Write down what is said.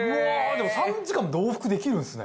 でも３時間で往復できるんですね。